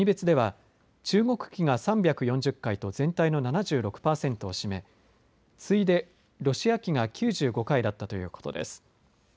国別では中国機が３４０回と全体の７６％を占め次いでロシア機が９５回だったということです。